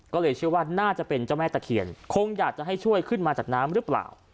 ก็เลยเชื่อว่าน่าจะเป็นเจ้าแม่ตะเคียนคงอยากจะให้ช่วยขึ้นมาจากน้ำหรือเปล่า